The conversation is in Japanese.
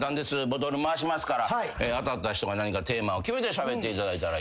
ボトル回しますから当たった人が何かテーマを決めてしゃべったらいいと思います。